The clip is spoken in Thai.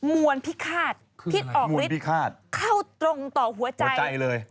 มวลพิฆาตพิษออกฤทธิ์เข้าตรงต่อหัวใจ